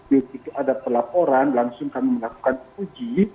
di situ ada pelaporan langsung kami melakukan uji